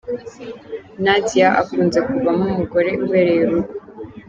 Nadia akunze kuvamo umugore ubereye urugo.